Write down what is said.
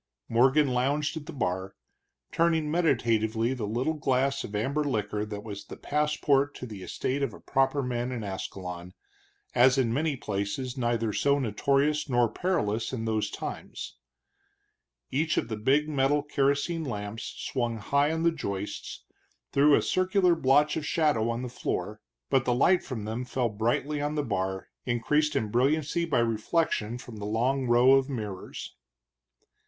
Morgan lounged at the bar, turning meditatively the little glass of amber liquor that was the passport to the estate of a proper man in Ascalon, as in many places neither so notorious nor perilous in those times. Each of the big metal kerosene lamps swung high on the joists threw a circular blotch of shadow on the floor, but the light from them fell brightly on the bar, increased in brilliancy by reflection from the long row of mirrors.